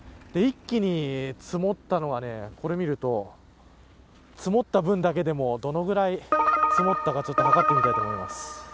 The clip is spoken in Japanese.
一気に積もったのがこれを見ると積もった分だけでも、どのくらい積もったかはかってみたいと思います。